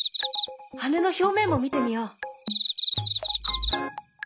羽の表面も見てみよう。